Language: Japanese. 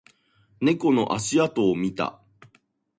猫の足跡を見た